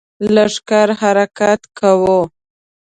لښکر حرکت کوو.